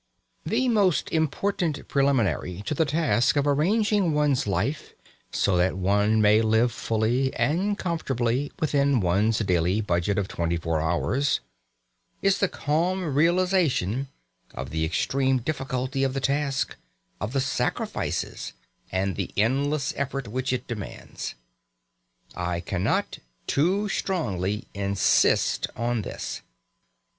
The most important preliminary to the task of arranging one's life so that one may live fully and comfortably within one's daily budget of twenty four hours is the calm realisation of the extreme difficulty of the task, of the sacrifices and the endless effort which it demands. I cannot too strongly insist on this.